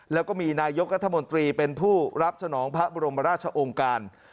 แล้วก็มีนายกรัฐมนตรีเป็นผู้รับสนองพระบรมราชองค์การ